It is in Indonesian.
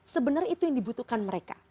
sebenarnya itu yang dibutuhkan mereka